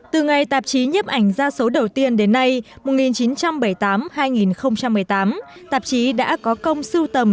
từ ngày tạp chí nhiếp ảnh gia số đầu tiên đến nay một nghìn chín trăm bảy mươi tám hai nghìn một mươi tám tạp chí đã có công sưu tầm